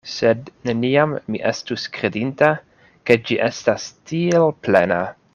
Sed neniam mi estus kredinta, ke ĝi estas tiel plena.